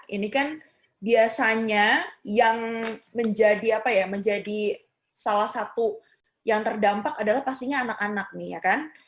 ini kan biasanya yang menjadi apa ya menjadi salah satu yang terdampak adalah pastinya anak anak nih ya kan